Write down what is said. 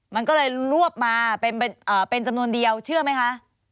มันก็เลยรวบมาเป็นจำนวนเดียวเชื่อไหมคะ